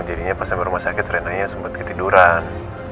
jadinya pas sama rumah sakit renanya sempet ketiduran